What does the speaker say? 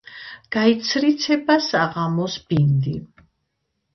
გაიცრიცება საღამოს ბინდი,